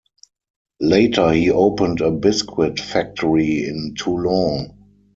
Later he opened a biscuit factory in Toulon.